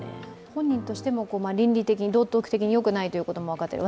本人としても倫理的に、道徳的によくないということは分かっている。